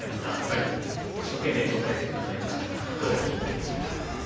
一生懸命答えてくださいましたがどうお聞きになりましたか。